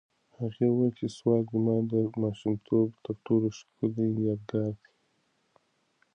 هغې وویل چې سوات زما د ماشومتوب تر ټولو ښکلی یادګار دی.